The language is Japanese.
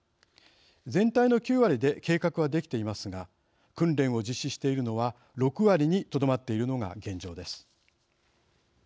全体の９割で計画はできていますが訓練を実施しているのは６割にとどまっているのが現状です。